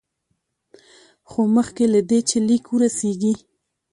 خو مخکې له دې چې لیک ورسیږي.